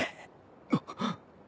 あっ。